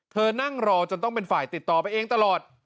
นั่งรอจนต้องเป็นฝ่ายติดต่อไปเองตลอด